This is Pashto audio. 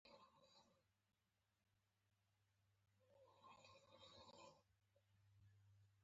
هغوی د خپل واک سیوری اوږده ساته.